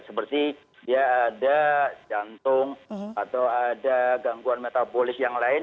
seperti dia ada jantung atau ada gangguan metabolis yang lain